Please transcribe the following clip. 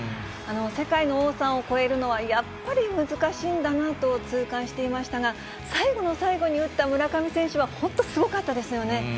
世界の王さんを超えるのは、やっぱり難しいんだなと痛感していましたが、最後の最後に打った村上選手は、本当すごかったですよね。